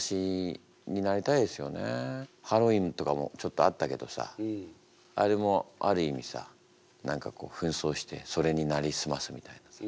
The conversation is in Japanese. まあでももちょっとあったけどさあれもある意味さ何かこうふん装してそれになりすますみたいなさ。